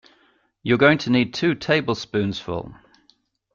You’re going to need two tablespoonsful.